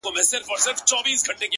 مينه مني ميني څه انكار نه كوي؛